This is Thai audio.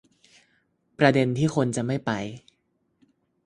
ประเด็นที่คนจะไม่ไป